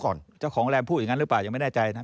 เจ้าของแรมพูดอย่างนั้นหรือเปล่ายังไม่แน่ใจนะ